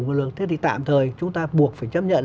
nguồn lực thế thì tạm thời chúng ta buộc phải chấp nhận